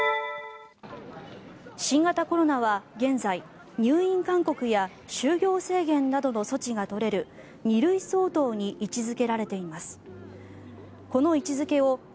新型コロナは現在入院勧告や就業制限などの措置が取れる２類相当に位置付けられています。